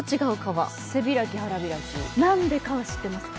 何でかは知ってますか？